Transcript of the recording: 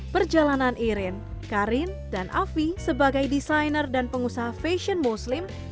perjalanan irin karin dan afi sebagai desainer dan pengusaha fashion muslim